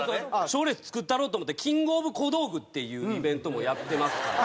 賞レース作ったろうと思ってキングオブコドウグっていうイベントもやってますから。